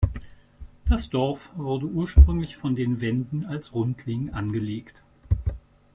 Das Dorf wurde ursprünglich von den Wenden als Rundling angelegt.